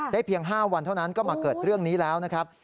เพียง๕วันเท่านั้นก็มาเกิดเรื่องนี้แล้วนะครับ